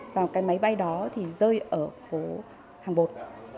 vào cái máy bay đó thì rơi ở phố hàng bột